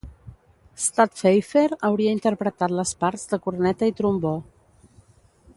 Stadtpfeifer hauria interpretat les parts de corneta i trombó.